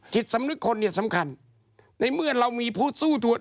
จิตสำนึกคนเนี่ยสำคัญในเมื่อเรามีผู้สู้ตัว